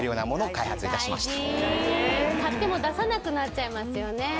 大事買っても出さなくなっちゃいますよね。